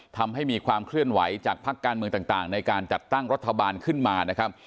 ทำให้มีความเคลื่อนไหวจากภักดิ์การเมืองต่างในการจัดตั้งรัฐบาลขึ้นมานะครับ